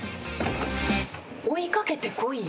追い掛けてこいよ。